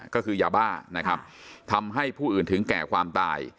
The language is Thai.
ก็คือยาบ้านะครับทำให้ผู้อื่นถึงแก่ความตาย